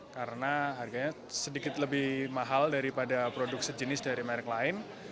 karena harganya sedikit lebih mahal daripada produk sejenis dari merek lain